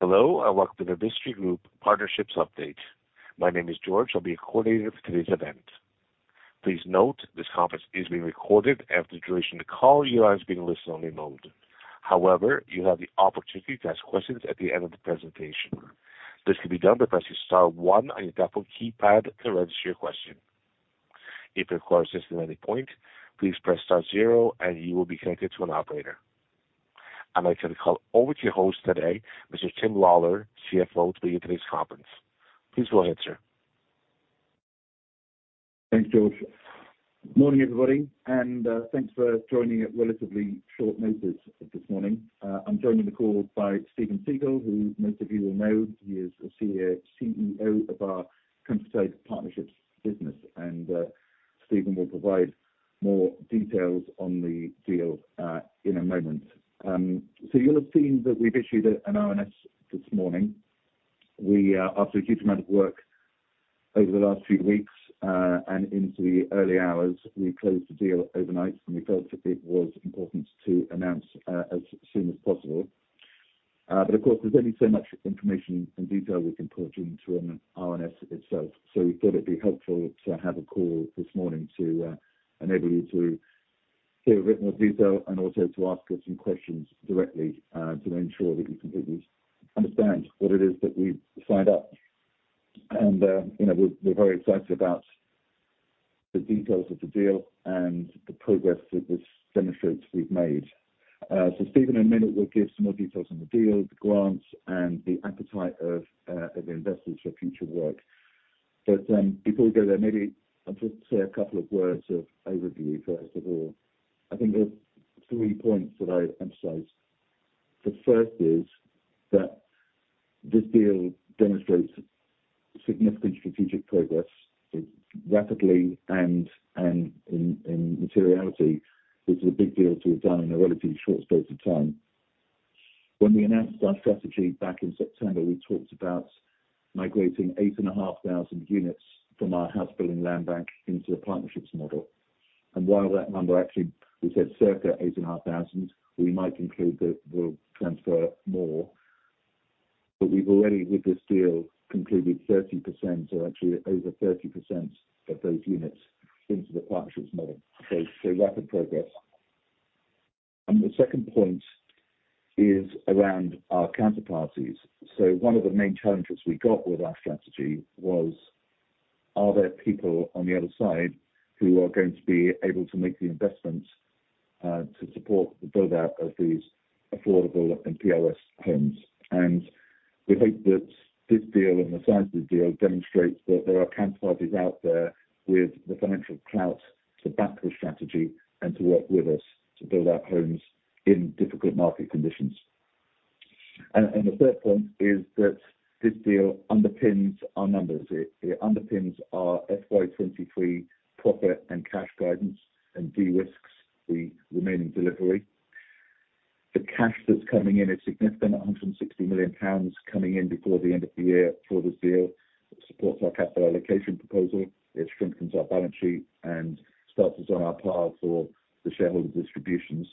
Hello, and welcome to the Vistry Group Partnerships update. My name is George. I'll be your coordinator for today's event. Please note, this conference is being recorded and for the duration of the call, your lines will be in listen-only mode. However, you have the opportunity to ask questions at the end of the presentation. This can be done by pressing star one on your telephone keypad to register your question. If you require assistance at any point, please press star zero and you will be connected to an operator. I'd like to hand the call over to your host today, Mr. Tim Lawlor, CFO, to lead today's conference. Please go ahead, sir. Thanks, George. Morning, everybody, and, thanks for joining at relatively short notice this morning. I'm joined on the call by Stephen Teagle, who most of you will know. He is the CEO, CEO of our Countryside Partnerships business, and, Stephen will provide more details on the deal, in a moment. So you'll have seen that we've issued an RNS this morning. We, after a huge amount of work over the last few weeks, and into the early hours, we closed the deal overnight, and we felt that it was important to announce, as soon as possible. But of course, there's only so much information and detail we can put into an RNS itself. So we thought it'd be helpful to have a call this morning to enable you to see a bit more detail and also to ask us some questions directly to ensure that you completely understand what it is that we signed up. And you know, we're very excited about the details of the deal and the progress that this demonstrates we've made. So Stephen in a minute will give some more details on the deal, the grants, and the appetite of the investors for future work. But before we go there, maybe I'll just say a couple of words of overview, first of all. I think there are three points that I emphasize. The first is that this deal demonstrates significant strategic progress rapidly and in materiality. This is a big deal to have done in a relatively short space of time. When we announced our strategy back in September, we talked about migrating 8,500 units from our housebuilding land bank into the partnerships model. And while that number actually, we said circa 8,500, we might conclude that we'll transfer more, but we've already, with this deal, completed 30%, so actually over 30% of those units into the partnerships model. So, so rapid progress. And the second point is around our counterparties. So one of the main challenges we got with our strategy was, are there people on the other side who are going to be able to make the investments, to support the build-out of these affordable and PRS homes? And we hope that this deal and the size of the deal demonstrates that there are counterparties out there with the financial clout to back the strategy and to work with us to build out homes in difficult market conditions. And, and the third point is that this deal underpins our numbers. It, it underpins our FY 2023 profit and cash guidance and de-risks the remaining delivery. The cash that's coming in is significant. 160 million pounds coming in before the end of the year for this deal. It supports our capital allocation proposal. It strengthens our balance sheet and starts us on our path for the shareholder distributions.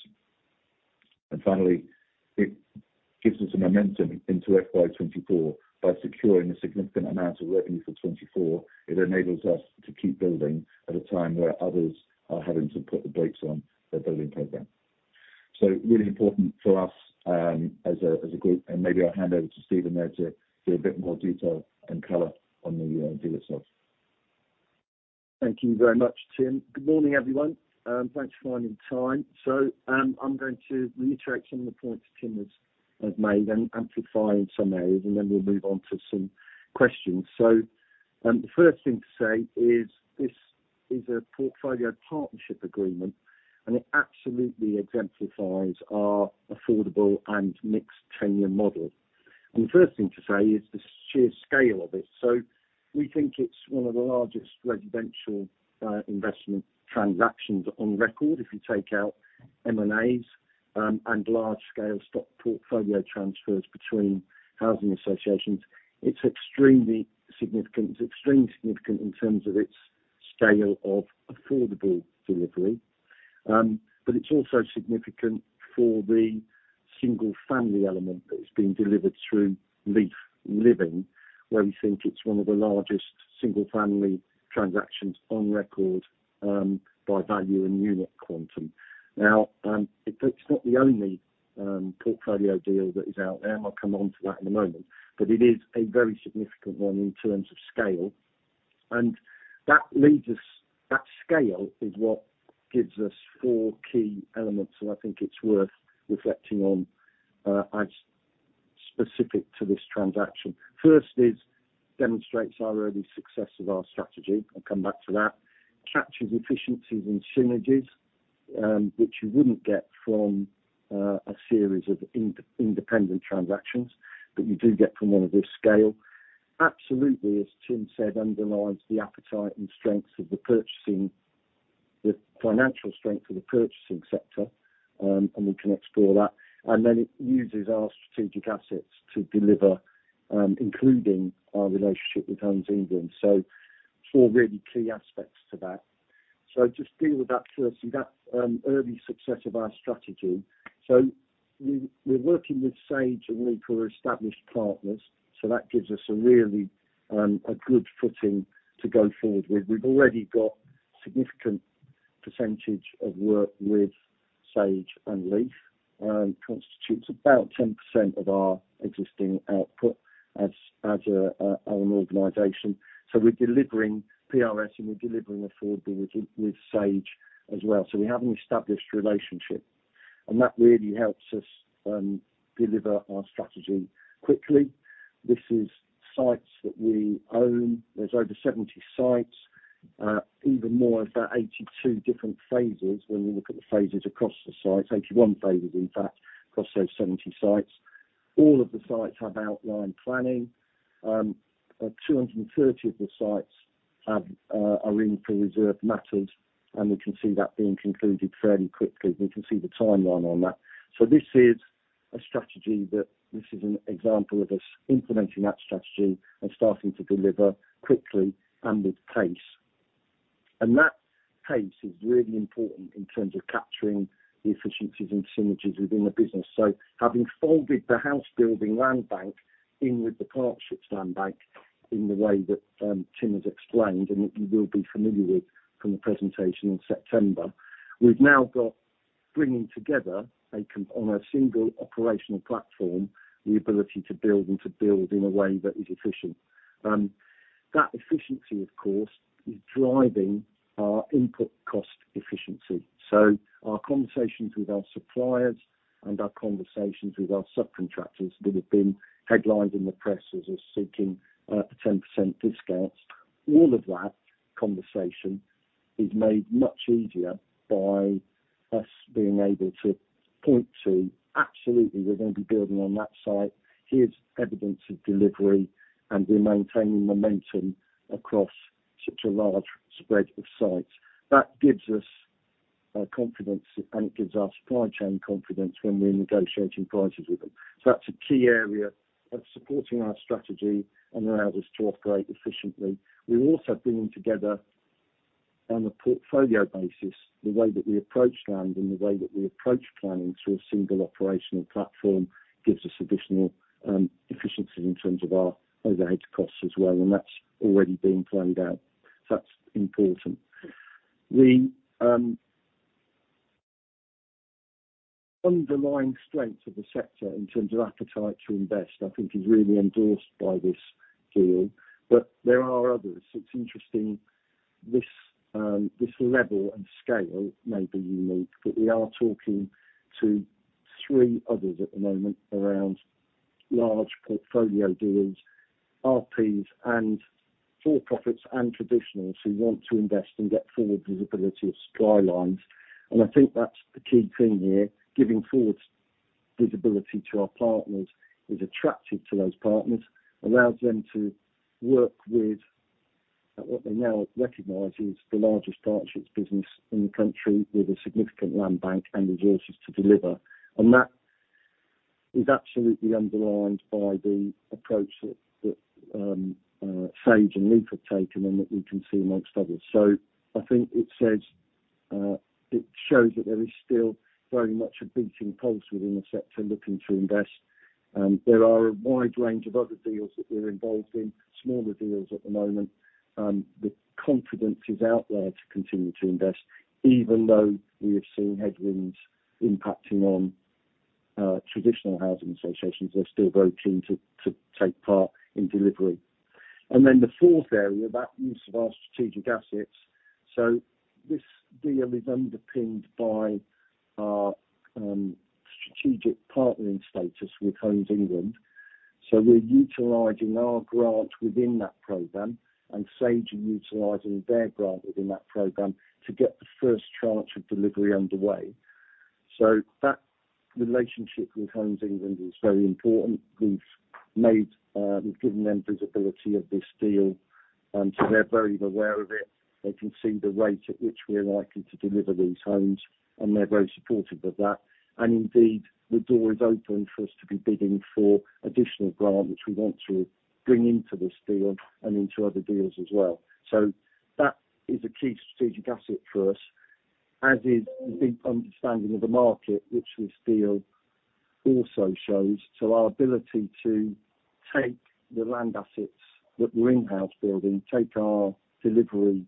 And finally, it gives us a momentum into FY 2024. By securing a significant amount of revenue for 2024, it enables us to keep building at a time where others are having to put the brakes on their building program. So really important for us, as a group, and maybe I'll hand over to Stephen there to give a bit more detail and color on the deal itself. Thank you very much, Tim. Good morning, everyone, thanks for finding the time. So, I'm going to reiterate some of the points Tim has made and amplify in some areas, and then we'll move on to some questions. So, the first thing to say is this is a portfolio partnership agreement, and it absolutely exemplifies our affordable and mixed tenure model. And the first thing to say is the sheer scale of it. So we think it's one of the largest residential investment transactions on record. If you take out M&As and large-scale stock portfolio transfers between housing associations, it's extremely significant. It's extremely significant in terms of its scale of affordable delivery. But it's also significant for the single family element that is being delivered through Leaf Living, where we think it's one of the largest single family transactions on record, by value and unit quantum. Now, it's, it's not the only, portfolio deal that is out there, and I'll come on to that in a moment, but it is a very significant one in terms of scale. And that leads us. That scale is what gives us four key elements, and I think it's worth reflecting on, as specific to this transaction. First is, demonstrates our early success of our strategy. I'll come back to that. Captures efficiencies and synergies, which you wouldn't get from, a series of independent transactions, but you do get from one of this scale. Absolutely, as Tim said, underlines the appetite and strengths of the purchasing... the financial strength of the purchasing sector, and we can explore that. Then it uses our strategic assets to deliver, including our relationship with Homes England. So four really key aspects to that. So just deal with that first and that, early success of our strategy. So we, we're working with Sage and Leaf, who are established partners, so that gives us a really, a good footing to go forward with. We've already got significant percentage of work with Sage and Leaf, constitutes about 10% of our existing output as an organization. So we're delivering PRS, and we're delivering affordability with Sage as well. So we have an established relationship, and that really helps us, deliver our strategy quickly. This is sites that we own. There's over 70 sites, even more, about 82 different phases when we look at the phases across the sites. 81 phases, in fact, across those 70 sites. All of the sites have outline planning. 230 of the sites are in reserved matters, and we can see that being concluded fairly quickly. We can see the timeline on that. So this is a strategy that—this is an example of us implementing that strategy and starting to deliver quickly and with pace. And that pace is really important in terms of capturing the efficiencies and synergies within the business. So having folded the house building land bank in with the partnerships land bank in the way that Tim has explained, and that you will be familiar with from the presentation in September, we've now got bringing together on a single operational platform the ability to build and to build in a way that is efficient. That efficiency, of course, is driving our input cost efficiency. So our conversations with our suppliers and our conversations with our subcontractors that have been headlined in the press as us seeking a 10% discount, all of that conversation is made much easier by us being able to point to absolutely, we're going to be building on that site. Here's evidence of delivery, and we're maintaining momentum across such a large spread of sites. That gives us confidence, and it gives our supply chain confidence when we're negotiating prices with them. So that's a key area that's supporting our strategy and allows us to operate efficiently. We're also bringing together on a portfolio basis, the way that we approach land and the way that we approach planning through a single operational platform, gives us additional efficiency in terms of our overhead costs as well, and that's already being planned out. So that's important. The underlying strength of the sector in terms of appetite to invest, I think, is really endorsed by this deal, but there are others. It's interesting, this level and scale may be unique, but we are talking to three others at the moment around large portfolio deals, RPs, and for-profits and traditional, so we want to invest and get forward visibility of skylines. I think that's the key thing here. Giving forward visibility to our partners is attractive to those partners, allows them to work with what they now recognize is the largest partnerships business in the country, with a significant land bank and resources to deliver. That is absolutely underlined by the approach that Sage and Leaf have taken and that we can see among others. So I think it says it shows that there is still very much a beating pulse within the sector looking to invest. There are a wide range of other deals that we're involved in, smaller deals at the moment. The confidence is out there to continue to invest, even though we have seen headwinds impacting on traditional housing associations, they're still very keen to take part in delivery. And then the fourth area, about use of our strategic assets. So this deal is underpinned by our strategic partnering status with Homes England. So we're utilizing our grant within that program, and Sage are utilizing their grant within that program to get the first tranche of delivery underway. So that relationship with Homes England is very important. We've made, we've given them visibility of this deal, and so they're very aware of it. They can see the rate at which we're likely to deliver these homes, and they're very supportive of that. And indeed, the door is open for us to be bidding for additional grant, which we want to bring into this deal and into other deals as well. So that is a key strategic asset for us, as is the deep understanding of the market, which this deal also shows. So our ability to take the land assets that we're in-house building, take our delivery,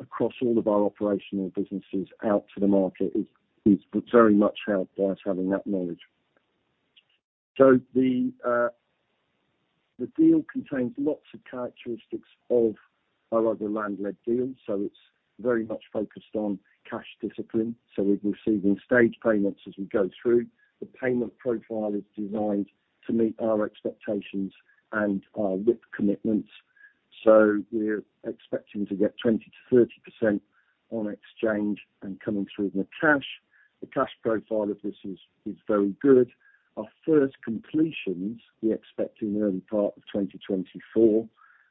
across all of our operational businesses out to the market is very much helped by us having that knowledge. So the deal contains lots of characteristics of our other land-led deals, so it's very much focused on cash discipline, so we're receiving stage payments as we go through. The payment profile is designed to meet our expectations and our WIP commitments. So we're expecting to get 20%-30% on exchange and coming through in the cash. The cash profile of this is very good. Our first completions, we expect in the early part of 2024,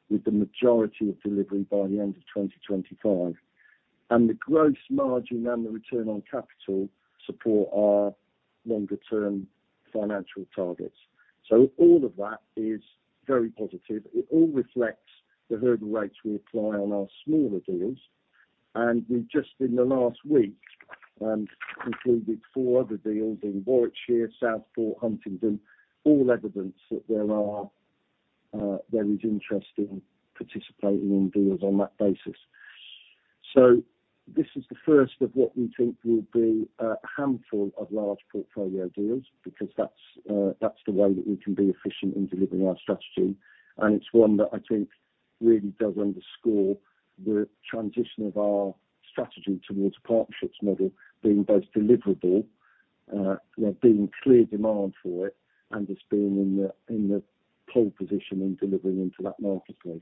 with the majority of delivery by the end of 2025, and the gross margin and the return on capital support our longer term financial targets. So all of that is very positive. It all reflects the hurdle rates we apply on our smaller deals. And we just, in the last week, concluded four other deals in Warwickshire, Southport, Huntingdon, all evidence that there are, there is interest in participating in deals on that basis. So this is the first of what we think will be a handful of large portfolio deals, because that's, that's the way that we can be efficient in delivering our strategy. And it's one that I think really does underscore the transition of our strategy towards a partnerships model being both deliverable, there being clear demand for it, and us being in the, in the pole position in delivering into that marketplace.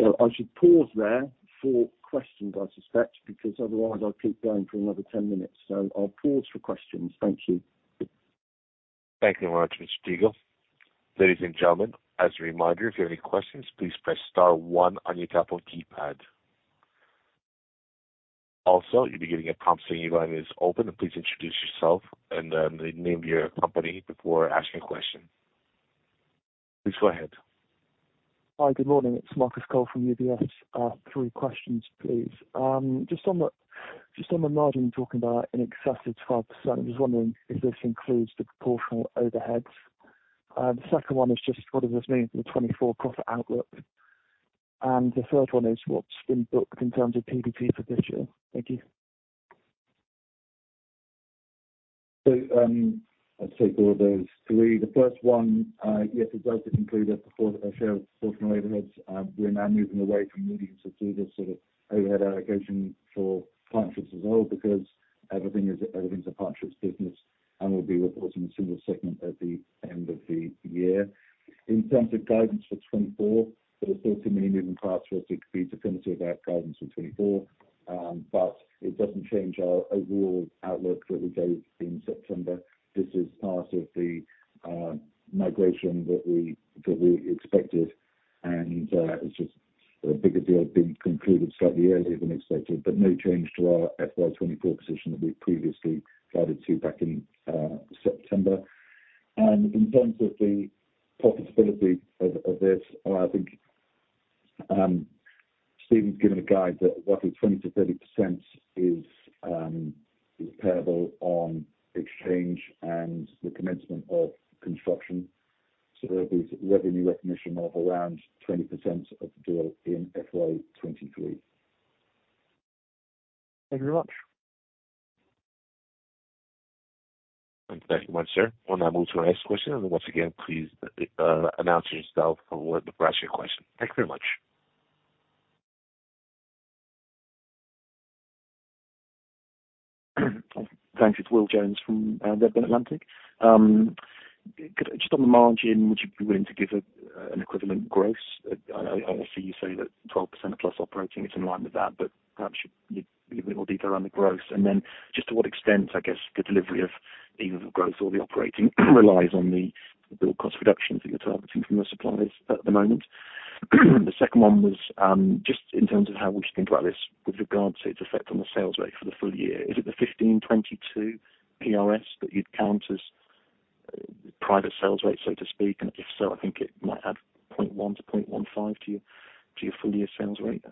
So I should pause there for questions, I suspect, because otherwise I'll keep going for another 10 minutes. So I'll pause for questions. Thank you. Thank you very much, Mr. Teagle. Ladies and gentlemen, as a reminder, if you have any questions, please press star one on your telephone keypad. Also, you'll be getting a prompt saying your line is open, and please introduce yourself and the name of your company before asking a question. Please go ahead. Hi, good morning. It's Marcus Cole from UBS. Three questions, please. Just on the margin, you talking about in excess of 12%, I was wondering if this includes the proportional overheads? The second one is just what does this mean for the 2024 profit outlook? And the third one is what's been booked in terms of PBT for this year. Thank you. I'll take all those three. The first one, yes, it does include a share of proportional overheads. We are now moving away from needing to do this sort of overhead allocation for partnerships as well, because everything is, everything's a partnerships business, and we'll be reporting a single segment at the end of the year. In terms of guidance for 2024, it is still too many moving parts for us to be definitive about guidance for 2024. But it doesn't change our overall outlook that we gave in September. This is part of the migration that we, that we expected, and it's just a bigger deal being concluded slightly earlier than expected, but no change to our FY 2024 position that we previously guided to back in September. And in terms of the profitability of, of this, I think, Stephen's given a guide that roughly 20%-30% is payable on exchange and the commencement of construction. So there'll be revenue recognition of around 20% of the deal in FY 2023. Thank you very much. Thank you very much, sir. We'll now move to our next question, and once again, please, announce yourself before asking your question. Thank you very much. Thanks. It's Will Jones from Redburn Atlantic. Just on the margin, would you be willing to give an equivalent gross? I obviously you say that 12%+ operating, it's in line with that, but perhaps you'd give a bit more detail around the gross. And then just to what extent, I guess, the delivery of either the growth or the operating relies on the build cost reductions that you're targeting from the suppliers at the moment? The second one was just in terms of how we should think about this with regard to its effect on the sales rate for the full year. Is it the 1,522 PRS that you'd count as private sales rate, so to speak? If so, I think it might add 0.1-0.15 to your full year sales rate,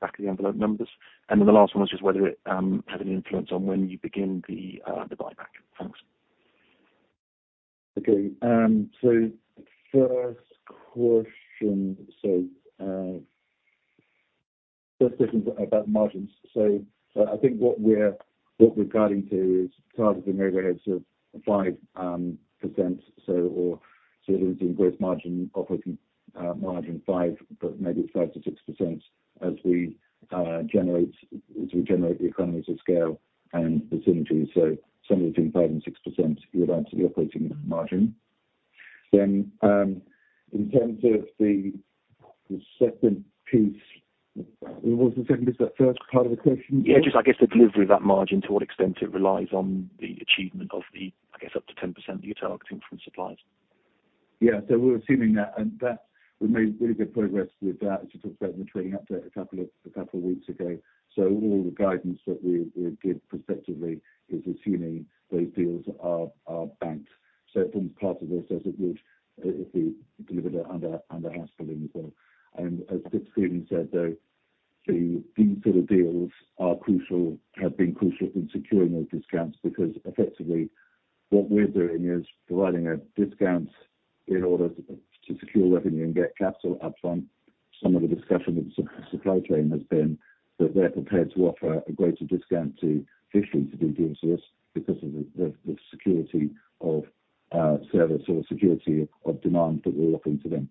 back-of-the-envelope numbers. Then the last one was just whether it had any influence on when you begin the buyback. Thanks. Okay. So the first question, so, first question about margins. So I think what we're guiding to is targeting overheads of 5%. So, or so it is in gross margin, operating margin 5%, but maybe 5%-6% as we generate the economies of scale and the synergies. So somewhere between 5% and 6%, you're down to the operating margin. Then, in terms of the second piece, what was the second piece, the first part of the question? Yeah, just I guess the delivery of that margin, to what extent it relies on the achievement of the, I guess, up to 10% that you're targeting from suppliers? Yeah. So we're assuming that and that we made really good progress with that, as you talked about in the trading update a couple of, a couple of weeks ago. So all the guidance that we give prospectively is assuming those deals are banked. So it forms part of this as it would if we delivered it under housebuilding as well. And as Stephen said, though, these sort of deals are crucial, have been crucial in securing those discounts, because effectively what we're doing is providing a discount in order to secure revenue and get capital upfront. Some of the discussion with the supply chain has been that they're prepared to offer a greater discount to officially do deals with us because of the security of service or security of demand that we're offering to them.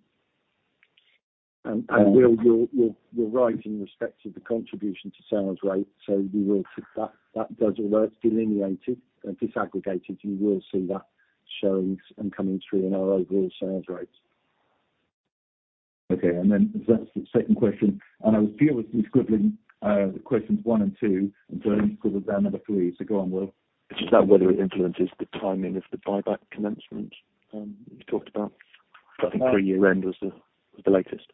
And Will, you're right in respect to the contribution to sales rate, so we will take that. That does all work, delineated and disaggregated, you will see that showing and coming through in our overall sales rates. Okay. And then that's the second question. And I was dealing with squabbling the questions one and two, and so I didn't cover down number three. So go on, Will. It's just about whether it influences the timing of the buyback commencement, you talked about. I think pre-year-end was the latest....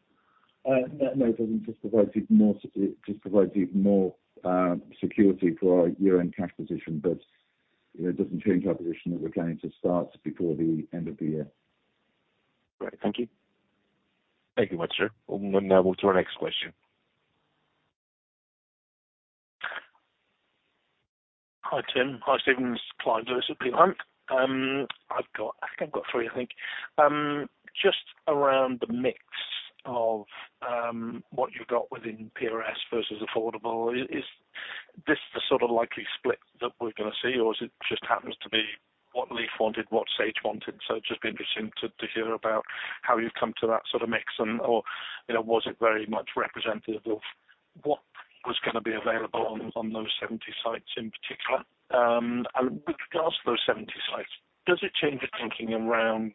No, no, it doesn't just provide even more, just provides even more security for our year-end cash position, but, you know, it doesn't change our position that we're going to start before the end of the year. Great. Thank you. Thank you much, sir. We'll now move to our next question. Hi, Tim. Hi, Stephen. It's Clyde Lewis at Peel Hunt. I've got, I think I've got three, I think. Just around the mix of what you've got within PRS versus affordable, is this the sort of likely split that we're gonna see, or is it just happens to be what Leaf wanted, what Sage wanted? So it'd just be interesting to, to hear about how you've come to that sort of mix and, or, you know, was it very much representative of what was gonna be available on, on those 70 sites in particular? And with regards to those 70 sites, does it change your thinking around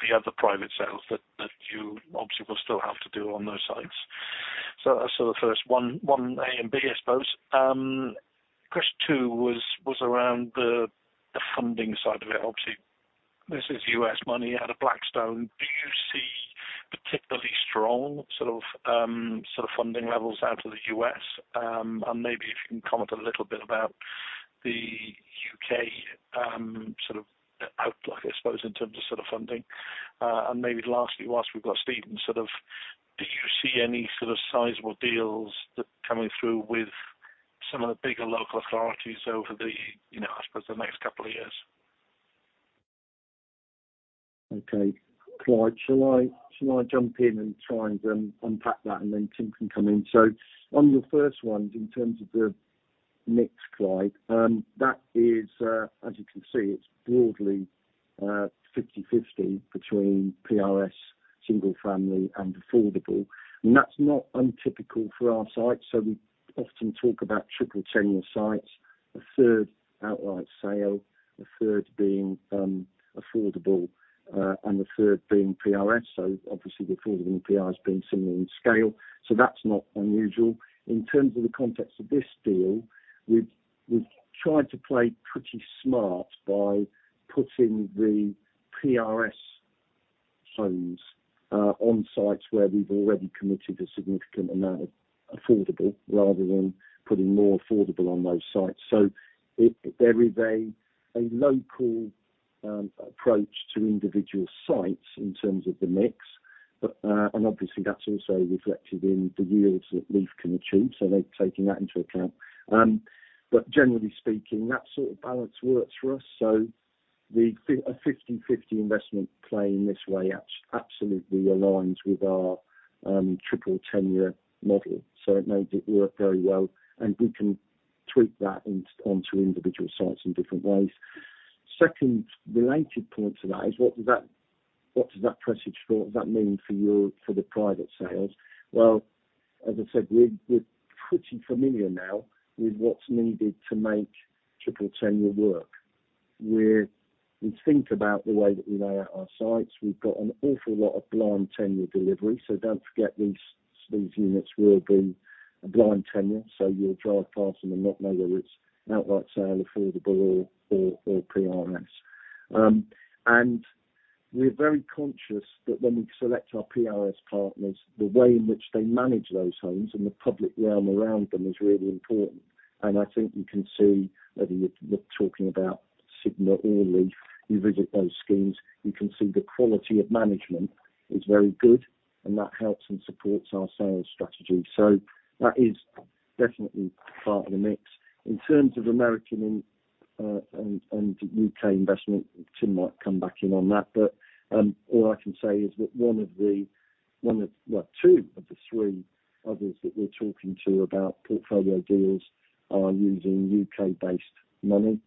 the other private sales that, that you obviously will still have to do on those sites? So that's sort of the first one, one aim, but I suppose, question two was, was around the, the funding side of it. Obviously, this is U.S. money out of Blackstone. Do you see particularly strong sort of, sort of funding levels out of the U.S.? And maybe if you can comment a little bit about the U.K., sort of outlook, I suppose, in terms of sort of funding. And maybe lastly, whilst we've got Stephen, sort of, do you see any sort of sizable deals that coming through with some of the bigger local authorities over the, you know, I suppose, the next couple of years? Okay. Clyde, shall I jump in and try and unpack that and then Tim can come in? So on your first one, in terms of the mix, Clyde, that is, as you can see, it's broadly 50/50 between PRS, single family, and affordable, and that's not untypical for our sites. So we often talk about triple tenure sites, a third outright sale, a third being affordable, and a third being PRS. So obviously, affordable and PRS has been similar in scale, so that's not unusual. In terms of the context of this deal, we've tried to play pretty smart by putting the PRS homes on sites where we've already committed a significant amount of affordable, rather than putting more affordable on those sites. So there is a local approach to individual sites in terms of the mix. But and obviously, that's also reflected in the yields that Leaf can achieve, so they're taking that into account. But generally speaking, that sort of balance works for us. So a 50/50 investment play in this way absolutely aligns with our triple tenure model, so it makes it work very well, and we can tweak that instantly onto individual sites in different ways. Second related point to that is what does that presage though, that mean for your private sales? Well, as I said, we're pretty familiar now with what's needed to make triple tenure work. We're, we think about the way that we lay out our sites. We've got an awful lot of blind tenure delivery, so don't forget, these units will be a blind tenure. So you'll drive past them and not know whether it's outright sale, affordable, or PRS. And we're very conscious that when we select our PRS partners, the way in which they manage those homes and the public realm around them is really important. And I think you can see, whether you're, we're talking about Sigma or Leaf, you visit those schemes, you can see the quality of management is very good, and that helps and supports our sales strategy. So that is definitely part of the mix. In terms of American and U.K. investment, Tim might come back in on that, but all I can say is that, well, two of the three others that we're talking to about portfolio deals are using U.K.-based money.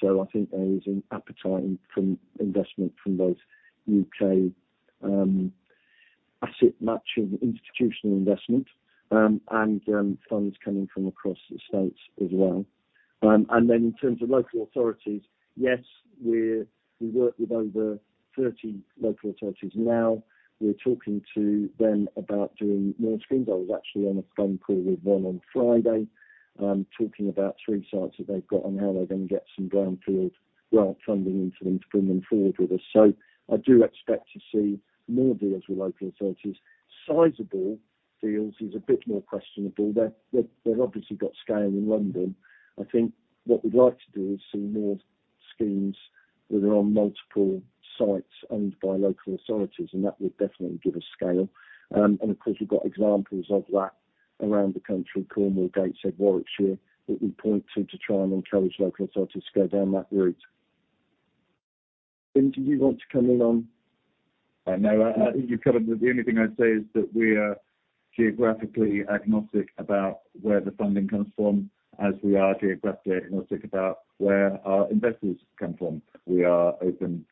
So I think there is an appetite from investment from both U.K. asset matching institutional investment, and funds coming from across the States as well. And then in terms of local authorities, yes, we work with over 30 local authorities now. We're talking to them about doing more schemes. I was actually on a phone call with one on Friday, talking about three sites that they've got and how they're gonna get some grant funding into them to bring them forward with us. So I do expect to see more deals with local authorities. Sizable deals is a bit more questionable. They've obviously got scale in London. I think what we'd like to do is see more schemes that are on multiple sites owned by local authorities, and that would definitely give us scale. And of course, we've got examples of that around the country, Cornwall, Gateshead, Warwickshire, that we point to, to try and encourage local authorities to go down that route. Tim, do you want to come in on? No, I think you covered it. The only thing I'd say is that we are geographically agnostic about where the funding comes from, as we are geographically agnostic about where our investors come from. We are open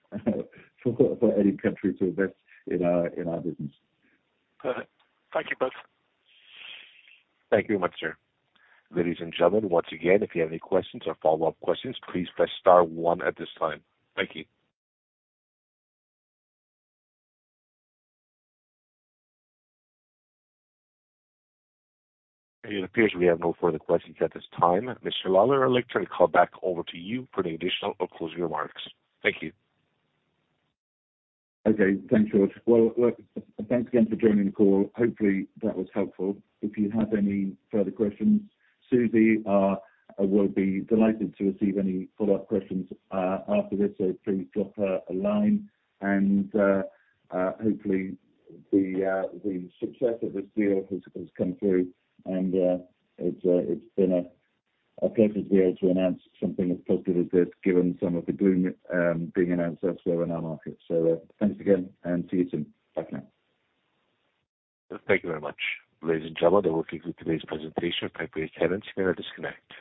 for any country to invest in our business. Perfect. Thank you both. Thank you much, sir. Ladies and gentlemen, once again, if you have any questions or follow-up questions, please press star one at this time. Thank you. It appears we have no further questions at this time. Mr. Lawlor, I'd like to turn the call back over to you for any additional or closing remarks. Thank you. Okay. Thanks, George. Well, well, thanks again for joining the call. Hopefully, that was helpful. If you have any further questions, Susie will be delighted to receive any follow-up questions after this, so please drop her a line. And hopefully the success of this deal has come through, and it's been a pleasure to be able to announce something as positive as this, given some of the gloom being announced elsewhere in our market. So, thanks again, and see you soon. Bye now. Thank you very much. Ladies and gentlemen, that will conclude today's presentation for Vistry investors. You may now disconnect.